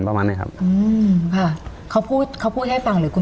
ประมาณเนี้ยครับอืมค่ะเขาพูดเขาพูดให้ฟังหรือคุณ